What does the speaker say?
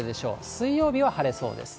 水曜日は晴れそうです。